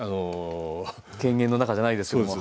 犬猿の仲じゃないですけども。